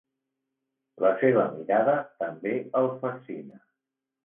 La seva mirada també el fascina.